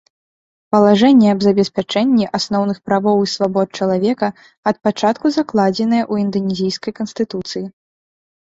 Палажэнні аб забеспячэнні асноўных правоў і свабод чалавека ад пачатку закладзеныя ў інданезійскай канстытуцыі.